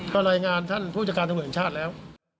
ก็รายงานท่านผู้จัดการตำรวจแห่งชาติแล้ว